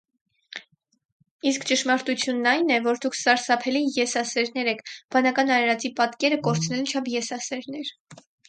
Իսկ ճշմարտությունն ա՛յն է, որ դուք սարսափելի եսասերներ եք, բանական արարածի պատկերը կորցնելու չափ եսասերներ: